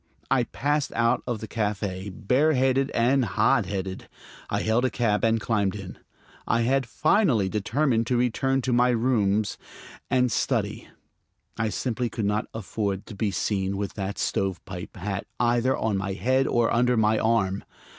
I passed out of the café, bareheaded and hotheaded. I hailed a cab and climbed in. I had finally determined to return to my rooms and study. I simply could not afford to be seen with that stovepipe hat either on my head or under my arm.